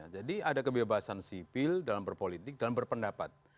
jadi ada kebebasan sipil dalam berpolitik dan berpendapat